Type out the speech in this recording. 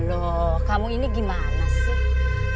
loh kamu ini gimana sih